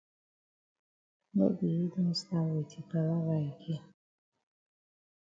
No be yi don stat wit yi palava again.